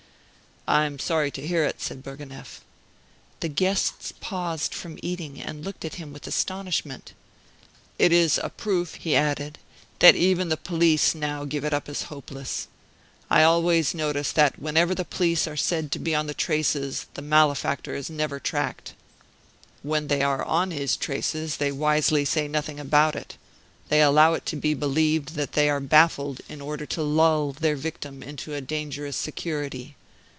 "I am sorry to hear it," said Bourgonef. The guests paused from eating, and looked at him with astonishment. "It is a proof," he added, "that even the police now give it up as hopeless. I always notice that whenever the police are said to be on the traces the malefactor is never tracked. When they are on his traces they wisely say nothing about it; they allow it to be believed that they are baffled, in order to lull their victim into a dangerous security.